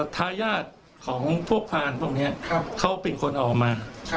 ทายาทของพวกพรานพวกนี้เขาเป็นคนออกมา